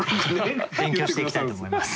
勉強していきたいと思います。